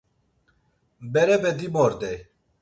Berepe dimordey.